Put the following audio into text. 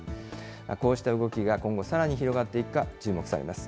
こうした動きが今後、さらに広がっていくか、注目されます。